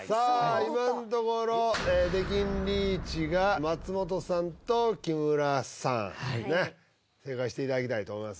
今んところ出禁リーチが松本さんと木村さんはい正解していただきたいと思います